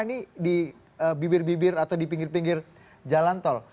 ini di bibir bibir atau di pinggir pinggir jalan tol